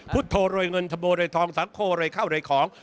พุทธโทรวยเงินทะโมโดยทองสังโทรวยข้าวโดยของ